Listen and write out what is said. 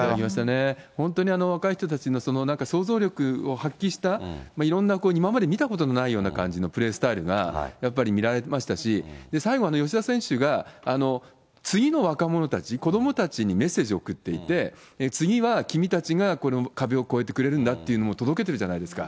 本当に若い人たちの想像力を発揮したいろんな今まで見たことのないような感じのプレースタイルがやっぱり見られましたし、最後は吉田選手が次の若者たち、子どもたちにメッセージを送っていて、次は君たちがこの壁を越えてくれるんだっていうのを届けてるじゃないですか。